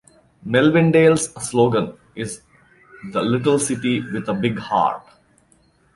Melvindale's slogan is The Little City with a Big Heart.